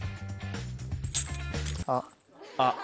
あっ。